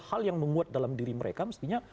hal yang menguat dalam diri mereka mestinya